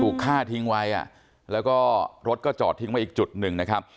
ถูกฆ่าทิ้งไว้อ่ะแล้วก็รถก็จอดทิ้งไว้อีกจุดหนึ่งนะครับ